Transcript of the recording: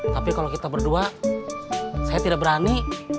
tapi kalau kita berdua saya tidak berani